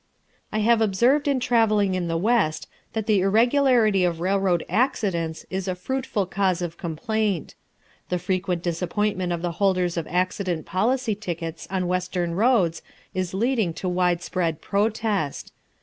I have observed in travelling in the West that the irregularity of railroad accidents is a fruitful cause of complaint. The frequent disappointment of the holders of accident policy tickets on western roads is leading to widespread protest.